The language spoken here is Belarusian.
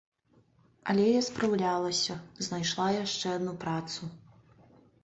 Але я спраўлялася, знайшла яшчэ адну працу.